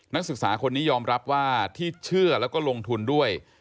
นักศึกษาคนนี้ยอมรับว่าที่เชื่อแล้วก็ลงทุนด้วย